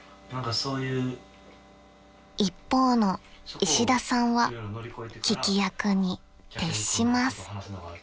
［一方の石田さんは聞き役に徹します］